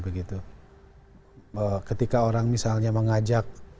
ketika orang misalnya mengajak